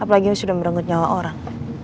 apalagi sudah merenggut nyawa orang